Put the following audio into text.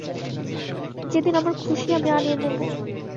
যেদিন আমার খুশি আমি আনিয়ে নেব।